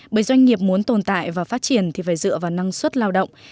bởi doanh nghiệp muốn tồn tại và phát triển thì phải dựa vào năng suất lao động